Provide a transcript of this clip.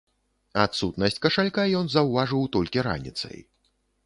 Адсутнасць кашалька ён заўважыў толькі раніцай.